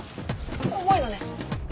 重いのね。